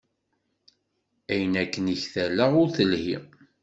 Ay akken i ktaleɣ ur telhi.